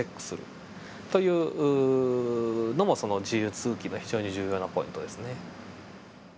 というのもそのＧ期の非常に重要なポイントですね。